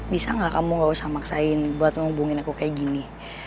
bisa gak kamu gak usah maksain buat ngehubungin aku kayak gini